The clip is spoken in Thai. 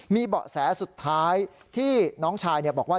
มีเบาะแสสุดท้ายที่น้องชายบอกว่า